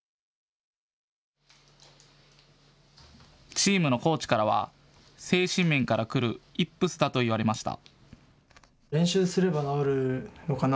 チームのコーチからは精神面からくるイップスだと言われました。